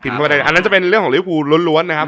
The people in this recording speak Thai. อันนั้นจะเป็นเรื่องของลิฟท์ครูล้วนนะครับ